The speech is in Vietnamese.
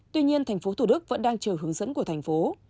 tuy nhiên tp thủ đức vẫn đang chờ hướng dẫn của thành phố